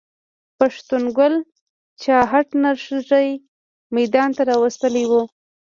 پښتنو ګل چاهت نر ښځی ميدان ته را وستلی و